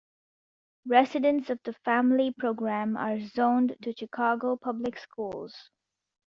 Residents of the family program are zoned to Chicago Public Schools.